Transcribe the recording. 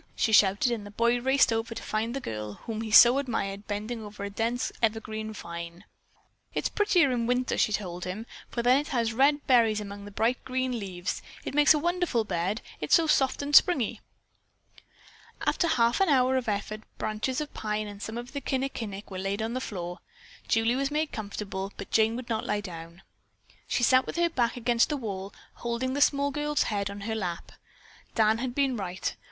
she shouted, and the boy raced over to find the girl whom he so admired bending over a dense evergreen vine. "It's prettier in winter," she told him, "for then it has red berries among the bright green leaves. It makes a wonderful bed. It is so soft and springy." After half an hour of effort branches of pine and some of the kinnikinick were laid on the floor, Julie was made comfortable, but Jane would not lie down. She sat with her back against the wall holding the small girl's head on her lap. Dan had been right.